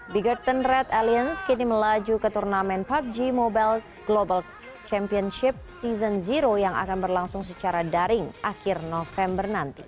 biggerton red aliens kini melaju ke turnamen pubg mobile global championship season yang akan berlangsung secara daring akhir november nanti